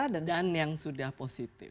dan yang sudah positif